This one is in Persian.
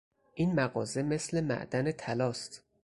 این مغازه مثل معدن طلاست.